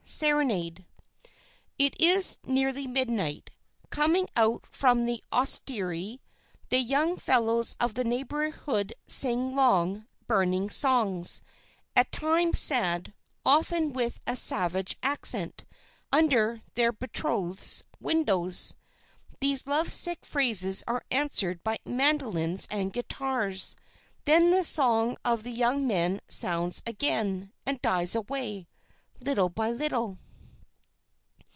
SERENADE "It is nearly midnight. Coming out from the osterie, the young fellows of the neighborhood sing long, burning songs, at times sad, often with a savage accent, under their betrotheds' windows. These lovesick phrases are answered by mandolins and guitars. Then the song of the young men sounds again, and dies away, little by little.